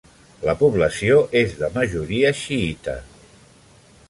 La població és de majoria xiïta.